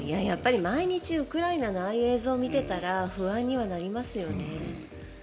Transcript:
やっぱり毎日ウクライナのああいう映像を見ていたら不安にはなりますよね。